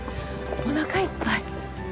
おなかいっぱい。